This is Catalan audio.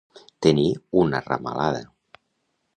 Tenir una ramalada.